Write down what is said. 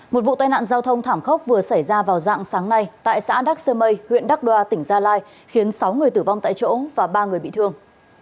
một vụ tai nạn giao thông thảm khốc vừa xảy ra vào dạng sáng nay tại xã đắc sơ mây huyện đắc đoa tỉnh gia lai khiến sáu người tử vong tại chỗ và ba người bị thương